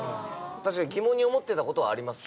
確かに疑問に思ってたことはあります